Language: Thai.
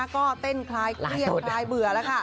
ก็เต้นคล้ายเกรียมคล้ายเบื่อละจ้า